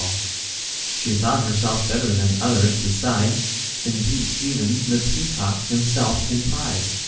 She thought herself better than all others beside, And beat even the peacock himself in pride.